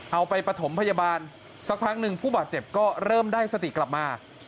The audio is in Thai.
ไปปฐมพยาบาลสักพักหนึ่งผู้บาดเจ็บก็เริ่มได้สติกลับมา